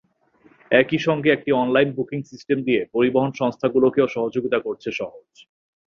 একই সঙ্গে একটি অনলাইন বুকিং সিস্টেম দিয়ে পরিবহন সংস্থাগুলোকেও সহযোগিতা করছে সহজ।